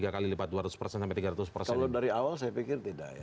kalau dari awal saya pikir tidak ya